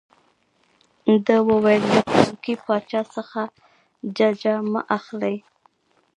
ده وویل له پلانکي باچا څخه ججه مه اخلئ.